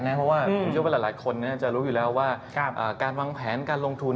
เพราะว่าหลายคนจะรู้อยู่แล้วว่าการวางแผนการลงทุน